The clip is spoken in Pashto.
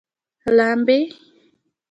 لامبي